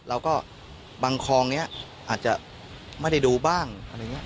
แล้วก็บางคลองนี้อาจจะไม่ได้ดูบ้างอะไรอย่างนี้